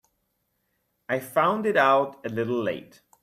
I found it out a little late.